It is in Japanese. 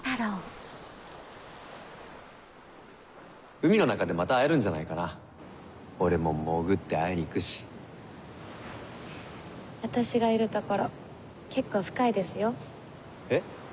海の中でまた会えるんじゃないかな俺も潜って会いに行くし私がいる所結構深いですよえっ？